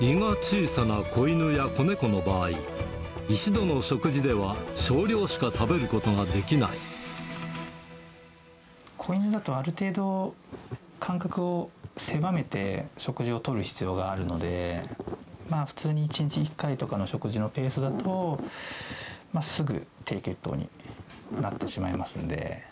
胃が小さな子犬や子猫の場合、一度の食事では少量しか食べるこ子犬だとある程度、間隔を狭めて食事をとる必要があるので、まあ、普通に１日１回とかの食事のペースだと、すぐ低血糖になってしまいますんで。